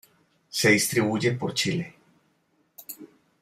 Se distribuye por Chile.